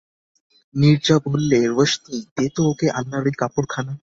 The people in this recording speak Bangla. নীরজা বললে, রোশনি, দে তো ওকে আলনার ঐ কাপড়খানা।